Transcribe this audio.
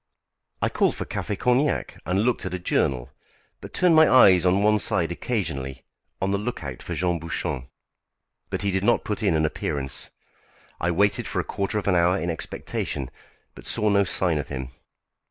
I called for café cognac and looked at a journal, but turned my eyes on one side occasionally, on the look out for Jean Bouchon. But he did not put in an appearance. I waited for a quarter of an hour in expectation, but saw no sign of him.